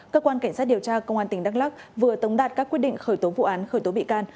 cơ quan cảnh sát điều tra công an tỉnh đắk lắc vừa tống đạt các quyết định khởi tố vụ án khởi tố bị can